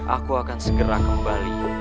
aku akan segera kembali